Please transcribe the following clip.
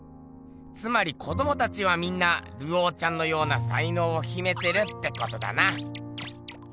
つまり子どもたちはみんなルオーちゃんのような才のうをひめてるってことだな。